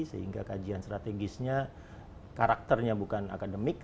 sehingga kajian strategisnya karakternya bukan akademik